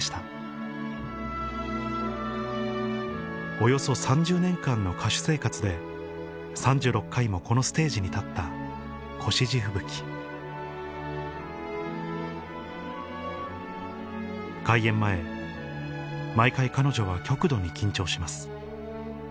およそ３０年間の歌手生活で３６回もこのステージに立った越路吹雪開演前毎回彼女は極度に緊張します